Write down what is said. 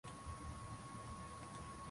kuna vyanzo mbalimbali vya ugonjwa wa kisukari